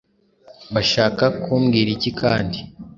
Bashaka kumbwira iki kandi?